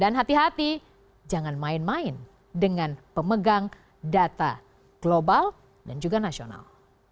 dan hati hati jangan main main dengan pemegang data global dan juga nasional